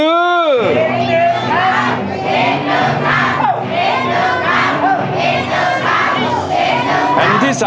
ที่๑ครับที่๑ครับที่๑ครับที่๑ครับที่๑ครับ